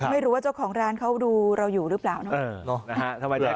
ไม่รู้ว่าเจ้าของร้านเขาดูเราอยู่หรือเปล่าเนาะ